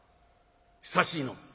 久しいのう」。